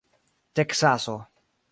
teksaso